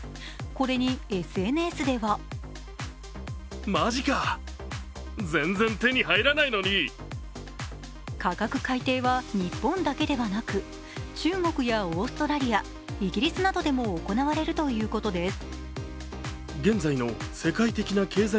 これにＳＮＳでは価格改定は日本だけではなく中国やオーストラリアイギリスなどでも行われるということです。